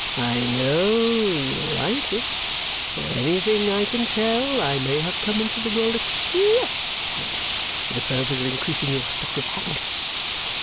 I know you like it. For anything I can tell, I may have come into the world expressly for the purpose of increasing your stock of happiness.